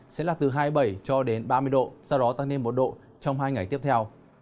sẽ là từ hai mươi bảy cho đến ba mươi độ sau đó tăng lên một độ trong hai ngày tiếp theo